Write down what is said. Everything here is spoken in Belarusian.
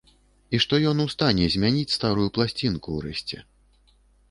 І што ён у стане змяніць старую пласцінку, урэшце.